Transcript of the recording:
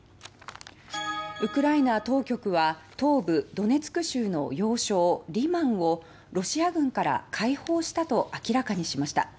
ウクライナ当局は東部ドネツク州の要衝リマンをロシア軍から解放したと明らかにしました。